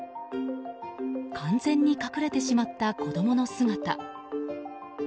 完全に隠れてしまった子供の姿。